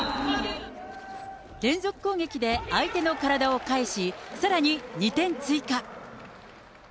連続攻撃で相手の体を返し、さらに２点追加。